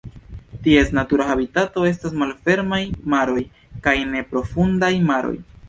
Ties natura habitato estas malfermaj maroj kaj neprofundaj maroj.